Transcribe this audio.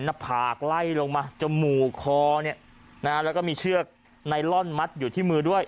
หน้าผากไล่ลงมาจมูกคอเนี่ยนะฮะแล้วก็มีเชือกไนลอนมัดอยู่ที่มือด้วย